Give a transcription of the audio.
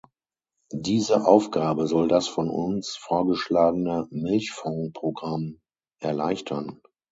Diese Aufgabe soll das von uns vorgeschlagene Milchfondsprogramm erleichtern.